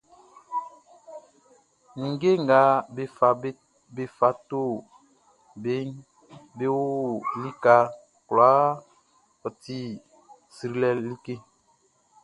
Ninnge nga be fa to beʼn be o lika kwlaa, ɔ ti srilɛ like!